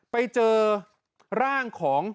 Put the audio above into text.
ไปเจอร่างของ